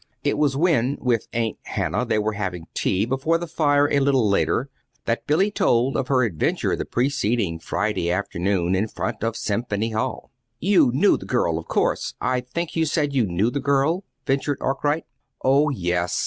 It was when, with Aunt Hannah, they were having tea before the fire a little later, that Billy told of her adventure the preceding Friday afternoon in front of Symphony Hall. "You knew the girl, of course I think you said you knew the girl," ventured Arkwright. "Oh, yes.